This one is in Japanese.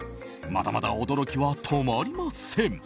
まだまだ驚きは止まりません。